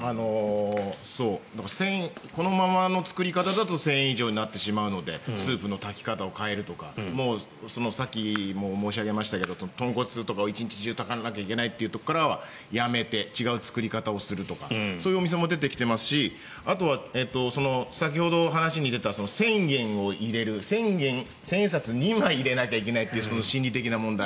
だからこのままの作り方だと１０００円以上になってしまうのでスープの炊き方を変えるとかさっきも申し上げましたけど豚骨とかを一日中炊かなきゃいけないとかはやめて違う作り方をするとかそういうお店も出てきていますしあとは先ほどお話に出た１０００円を入れる千円札を２枚入れなきゃいけないという心理的な問題。